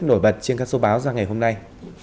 nổi bật trên các số báo ra ngày hôm nay